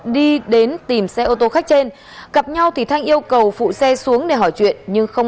đi đến tìm xe ô tô khách trên gặp nhau thì thanh yêu cầu phụ xe xuống để hỏi chuyện nhưng không